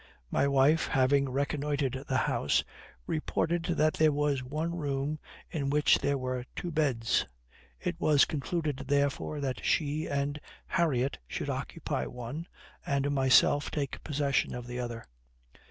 My wife, having reconnoitered the house, reported that there was one room in which were two beds. It was concluded, therefore, that she and Harriot should occupy one and myself take possession of the other.